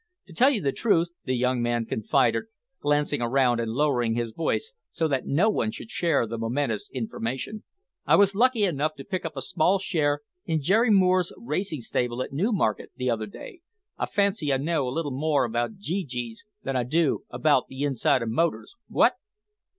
To tell you the truth," the young man confided, glancing around and lowering his voice so that no one should share the momentous information, "I was lucky enough to pick up a small share in Jere Moore's racing stable at Newmarket, the other day. I fancy I know a little more about gee gees than I do about the inside of motors, what?"